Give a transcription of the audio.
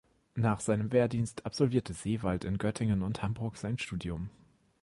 Nach seinem Wehrdienst absolvierte Seewald in Göttingen und Hamburg sein Studium.